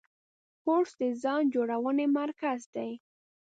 کورس د ځان جوړونې مرکز دی.